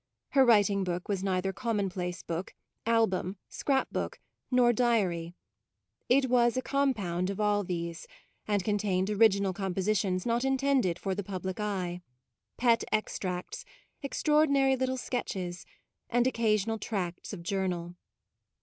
Her writing book was neither com monplace book, album, scrap book, nor diary; it was a compound of all these, and contained original compo sitions not intended for the public eye, pet extracts, extraordinary little sketches, and occasional tracts of journal.